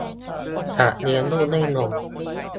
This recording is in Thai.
สัตว์เลี้ยงลูกด้วยนม